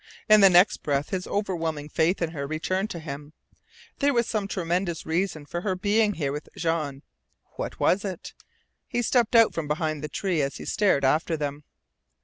In the next breath his overwhelming faith in her returned to HIM. There was some tremendous reason for her being here with Jean. What was it? He stepped out from behind the tree as he stared after them.